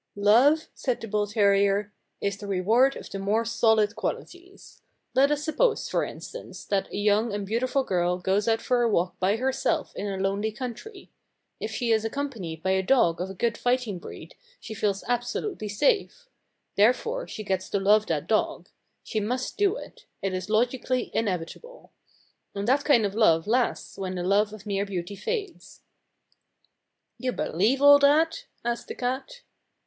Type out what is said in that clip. "Love," said the bull terrier, "is the reward of the more solid qualities. Let us suppose, for instance, that a young and beautiful girl goes out for a walk by herself in a lonely country. If she is accompanied by a dog of a good fighting breed she feels absolutely safe. Therefore she gets to love that dog. She must 290 FOR VALUE RECEIVED 291 do it. It is logically inevitable. And that kind of love lasts when the love of mere beauty fades." "You believe all that ?" asked the cat.